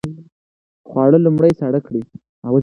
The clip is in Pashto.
خواړه لومړی ساړه کړئ.